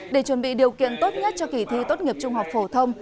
để chuẩn bị điều kiện tốt nhất cho kỳ thi tốt nghiệp trung học phổ thông